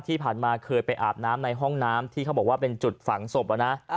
ที่ผ่านมาเคยไปอาบน้ำในห้องน้ำที่เขาบอกว่าเป็นจุดฝังศพนะ